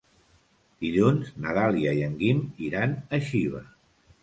Dilluns na Dàlia i en Guim iran a Xiva.